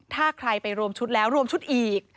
ถ้าใครไปรวมชุดแล้วรวมชุดอีก